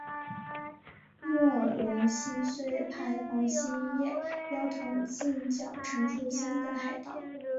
莫荣新遂派黄兴业标统进剿陈祝三等海匪。